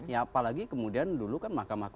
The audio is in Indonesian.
ya apalagi kemudian dulu kan mahkamah